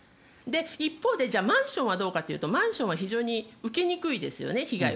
一方でマンションはどうかというとマンションは非常に被害を受けにくいですよね。